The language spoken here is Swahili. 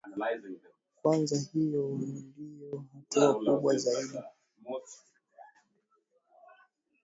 kwanza hiyo ndio hatua kubwa zaidi